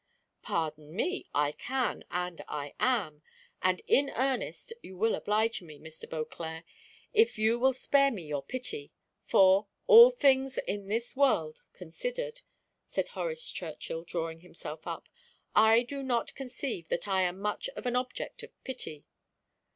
"Pardon me, I can, and I am. And in earnest you will oblige me, Mr. Beauclerc, if you will spare me your pity: for, all things in this world considered," said Horace Churchill, drawing himself up, "I do not conceive that I am much an object of pity."